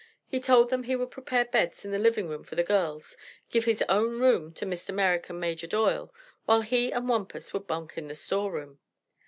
He told them he would prepare beds in the living room for the girls, give his own room to Mr. Merrick and Major Doyle, while he and Wampus would bunk in the storeroom.